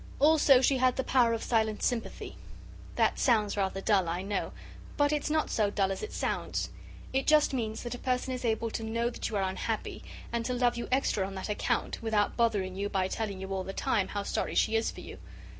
Also she had the power of silent sympathy. That sounds rather dull, I know, but it's not so dull as it sounds. It just means that a person is able to know that you are unhappy, and to love you extra on that account, without bothering you by telling you all the time how sorry she is for you.